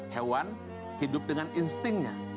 hewan hidup dengan instingnya